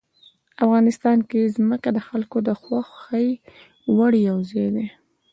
افغانستان کې ځمکه د خلکو د خوښې وړ یو ځای دی.